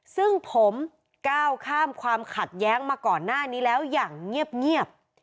ซึ่งผมก้าวข้ามความขัดแย้งมาก่อนหน้านี้แล้วอย่างเงียบ